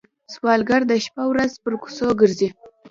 سوالګر د شپه ورځ پر کوڅو ګرځي